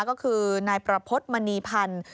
ก็คือนายประพฤติมณีพันธ์